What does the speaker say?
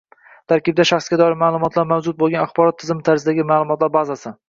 — tarkibida shaxsga doir ma’lumotlar mavjud bo‘lgan axborot tizimi tarzidagi ma’lumotlar bazasi;